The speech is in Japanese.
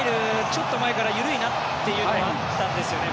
ちょっと前から緩いなというのはあったんですよね